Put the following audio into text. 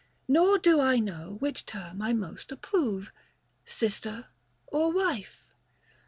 Nor do I know which term I most approve, Sister or wife.